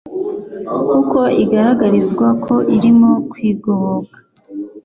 kuko igaragarizwa ko irimo kwigoboka;